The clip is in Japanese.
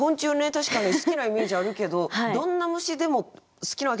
確かに好きなイメージあるけどどんな虫でも好きなわけじゃないっていう。